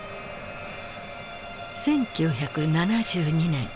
１９７２年